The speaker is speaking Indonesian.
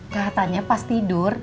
katanya pas tidur